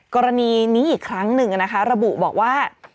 กรณีนี้อีกครั้งหนึ่งนะคะระบุบอกว่า